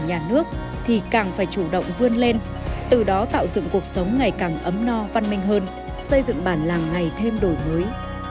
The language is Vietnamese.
nhà nước thì càng phải chủ động vươn lên từ đó tạo dựng cuộc sống ngày càng ấm no văn minh hơn xây dựng bản làng ngày thêm đổi mới